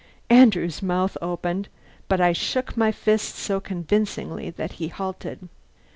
Andrew's mouth opened, but I shook my fist so convincingly that he halted.